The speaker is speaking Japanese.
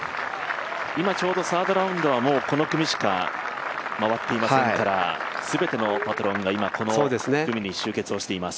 今、ちょうどサードラウンドはこの組しか回っていませんから全てのパトロンが今この組に集結しています。